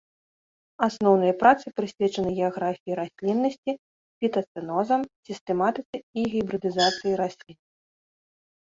Асноўныя працы прысвечаны геаграфіі расліннасці, фітацэнозам, сістэматыцы і гібрыдызацыі раслін.